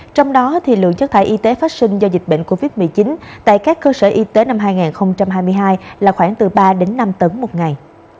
trong đó lượng chất thải y tế phát sinh do dịch bệnh covid một mươi chín tại các cơ sở y tế năm hai nghìn hai mươi hai là khoảng từ ba đến năm tấn một ngày